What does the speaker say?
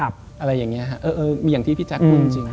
อะไรอย่างนี้ฮะอย่างที่พี่แจ๊คพูดจริง